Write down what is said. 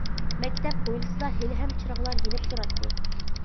مەكتەپ ھويلىسىدا ھېلىھەم چىراغلار يېنىپ تۇراتتى.